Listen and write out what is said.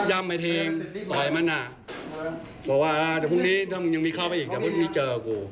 บอกว่าเดี๋ยวพรุ่งนี้ถ้ามึงยังมีเข้าไปอีกว่าพี่มีเจอกู